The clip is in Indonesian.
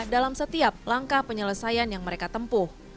dalam setiap langkah penyelesaian yang mereka tempuh